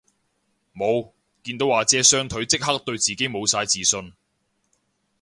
無，見到阿姐雙腿即刻對自己無晒自信